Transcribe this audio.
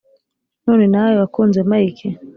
none nawe wakunze mike?"